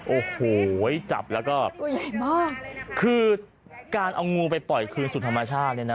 โอ้โหจับแล้วก็ตัวใหญ่มากคือการเอางูไปปล่อยคืนสู่ธรรมชาติเนี่ยนะ